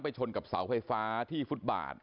ชนกับเสาไฟฟ้าที่ฟุตบาท